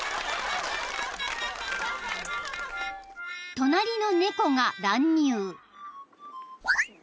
［隣の猫が乱入］